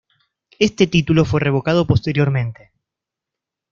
Este título fue revocado posteriormente.